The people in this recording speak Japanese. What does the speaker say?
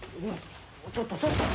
ちょっとちょっと！